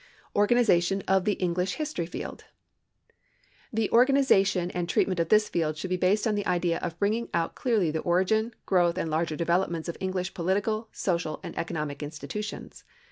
Organization of the English History Field. The organization and treatment of this field should be based on the idea of bringing out clearly the origin, growth and larger developments of English political, social and economic institutions.